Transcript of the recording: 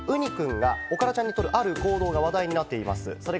うにくんがおからちゃんのとる、ある行動が話題になっています。